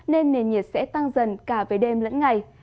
nên nền nhiệt sẽ tăng dần cả về đêm lẫn ngày